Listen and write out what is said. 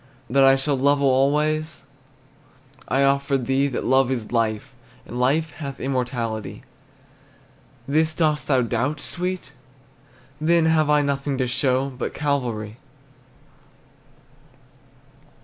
That I shall love alway, I offer thee That love is life, And life hath immortality. This, dost thou doubt, sweet? Then have I Nothing to show But Calvary.